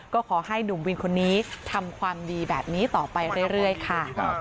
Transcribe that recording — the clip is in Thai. ก็ขอให้หนุ่มวินคนนี้ทำความดีแบบนี้ต่อไปเรื่อยค่ะ